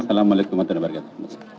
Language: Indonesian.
salamualaikum warahmatullahi wabarakatuh